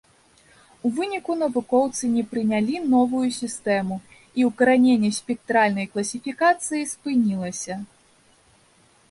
У выніку навукоўцы не прынялі новую сістэму, і ўкараненне спектральнай класіфікацыі спынілася.